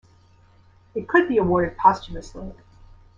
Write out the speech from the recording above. It could be awarded posthumously.